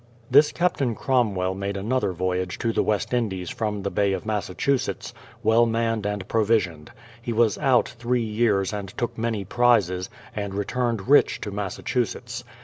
This Captain Cromwell made another voyage to tlie West Indies from the Bay of Massachusetts, well manned and provisioned. He was out three years and took many prizes, and returned rich to Massachusetts.